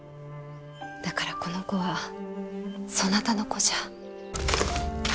だからこの子はそなたの子じゃ。